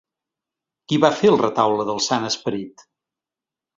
Qui va fer el Retaule del Sant Esperit?